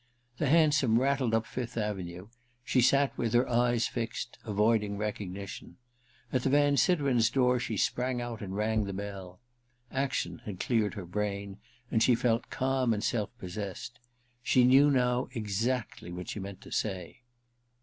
The hansom rattled up Fifth Avenue ; she sat with her eyes fixed, avoiding recognition. At the Van Siderens' door she sprang out and rang the bell. Action had cleared her brain, and she felt calm and self possessed. She knew now exactly what she meant to say.